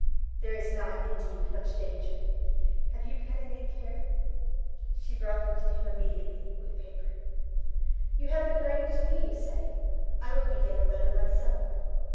"There is not, indeed, much danger! Have you pen and ink here?" She brought them to him immediately, with paper. "You have been writing to me, you say? I will begin a letter myself."